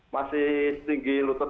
masih tinggi lutut